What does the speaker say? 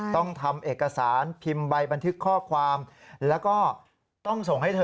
ต้องทำเอกสารพิมพ์ใบบันทึกข้อความแล้วก็ต้องส่งให้เธอ